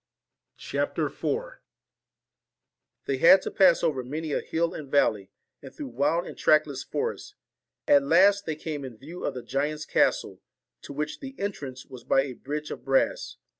CHAPTER IV THEY had to pass over many a hill and valley, and through wild and trackless forests; at last they came in view of the giant's castle, to which the entrance was by a bridge of brass.